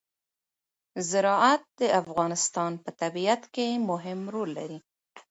زراعت د افغانستان په طبیعت کې مهم رول لري.